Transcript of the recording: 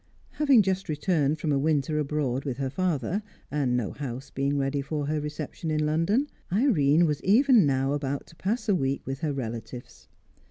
Having just returned from a winter abroad with her father, and no house being ready for her reception in London, Irene was even now about to pass a week with her relatives.